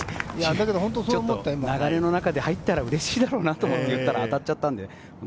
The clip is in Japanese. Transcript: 流れの中で入ったらうれしいだろうなと思って言ったら、当たっちゃったんで。